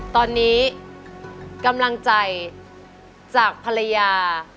ตอนนี้กำลังใจจากภรรยา